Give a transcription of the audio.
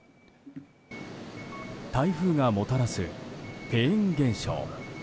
台風がもたらすフェーン現象。